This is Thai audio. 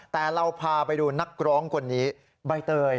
แต่เราพาไปดูนักร้องคนนี้ใบเตย